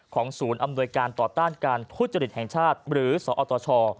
ศูนย์อำนวยการต่อต้านการทุจริตแห่งชาติหรือสอตช